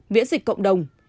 miễn dịch cộng đồng